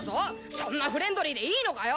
そんなフレンドリーでいいのかよ！